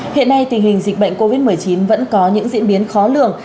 hiện nay tình hình dịch bệnh covid một mươi chín vẫn có những diễn biến khó lường